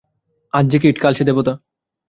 আজ যে কীট, কাল সে দেবতা।